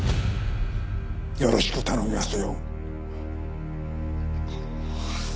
よろしく頼みますよ。